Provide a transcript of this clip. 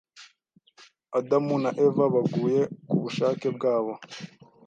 Adamu na Eva baguye kubushake bwabo